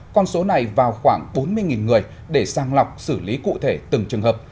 con số này vào khoảng bốn mươi người để sang lọc xử lý cụ thể từng trường hợp